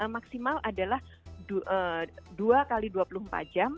maksimal adalah dua x dua puluh empat jam